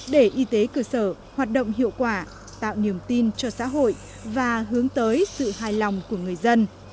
để y tế cơ sở hoạt động hiệu quả tạo niềm tin cho xã hội và hướng tới sự hài lòng của người dân